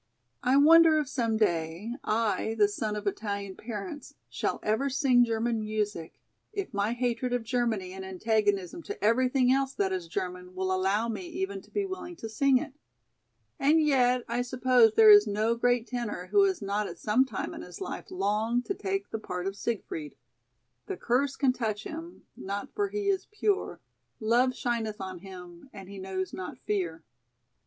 "I wonder if some day, I, the son of Italian parents, shall ever sing German music, if my hatred of Germany and antagonism to everything else that is German will allow me even to be willing to sing it. And yet I suppose there is no great tenor who has not at some time in his life longed to take the part of Siegfried, 'The curse can touch him not for he is pure, Love shineth on him and he knows not fear.'"